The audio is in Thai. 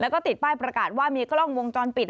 แล้วก็ติดป้ายประกาศว่ามีกล้องวงจรปิด